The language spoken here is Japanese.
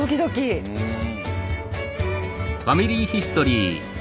うん。